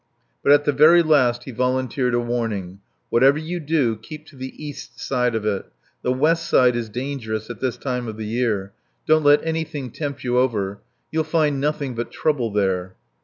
But at the very last he volunteered a warning. "Whatever you do keep to the east side of it. The west side is dangerous at this time of the year. Don't let anything tempt you over. You'll find nothing but trouble there."